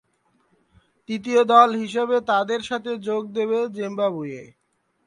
তৃতীয় দল হিসাবে তাদের সাথে যোগ দেবে জিম্বাবুয়ে।